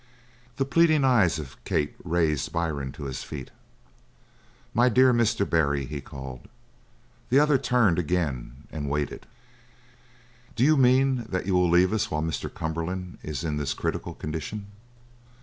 The pleading eyes of Kate raised Byrne to his feet. "My dear Mr. Barry!" he called. The other turned again and waited. "Do you mean that you will leave us while Mr. Cumberland is in this critical condition?"